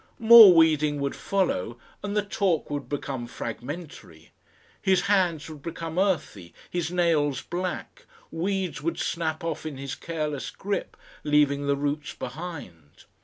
More weeding would follow and the talk would become fragmentary. His hands would become earthy, his nails black, weeds would snap off in his careless grip, leaving the roots behind.